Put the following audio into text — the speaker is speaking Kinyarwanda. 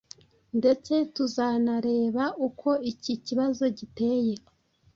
ndetse tuzanareba uko iki kibazo giteye